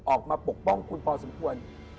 ออกมาปกป้องคุณพอสมควร